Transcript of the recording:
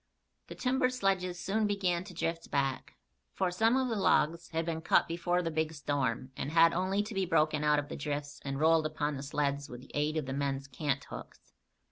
The timber sledges soon began to drift back, for some of the logs had been cut before the big storm, and had only to be broken out of the drifts and rolled upon the sleds with the aid of the men's canthooks.